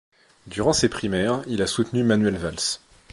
Durant ces primaires il a soutenu Manuel Valls.